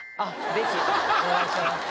ぜひお願いします